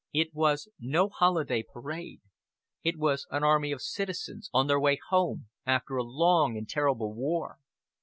It was no holiday parade. It was an army of citizens on their way home after a long and terrible war.